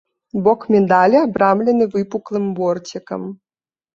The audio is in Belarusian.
Бок медалі абрамлены выпуклым борцікам.